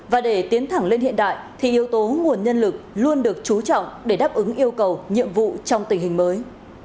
và để tiến thẳng lên hiện đại thì yếu tố nguồn nhân lực luôn được chú trọng để đáp ứng yêu cầu nhiệm vụ trong tình hình mới